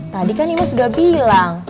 tadi kan emas udah bilang